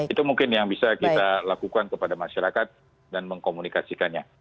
itu mungkin yang bisa kita lakukan kepada masyarakat dan mengkomunikasikannya